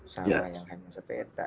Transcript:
salah yang hanya sepeta